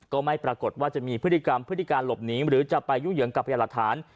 ก็ไม่ปรากฏว่าจะมีพฤติกรรมพฤติการหลบหนีหรือจะไปยุ่งเหยิงกับพยาหลักฐาน